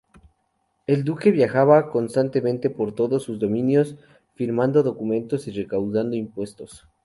El duque viajaba constantemente por todos sus dominios, firmando documentos y recaudando impuestos.